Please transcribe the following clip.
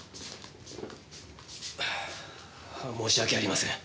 申し訳ありません。